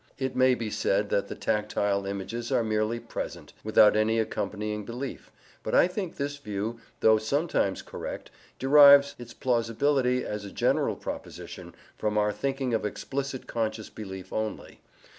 It may be said that the tactile images are merely present, without any accompanying belief; but I think this view, though sometimes correct, derives its plausibility as a general proposition from our thinking of explicit conscious belief only.